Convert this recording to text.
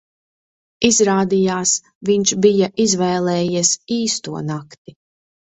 Izrādījās, viņš bija izvēlējies īsto nakti.